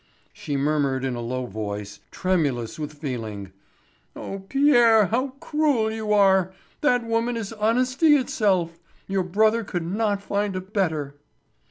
She murmured in a low voice, tremulous with feeling: "O Pierre, how cruel you are! That woman is honesty itself. Your brother could not find a better."